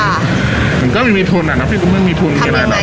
อ่ามึงก็ไม่มีทุนอ่านะเขาไม่มีทุนทำเอ๋ยไงอย่างได้